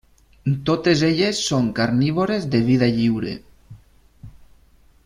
Totes elles són carnívores de vida lliure.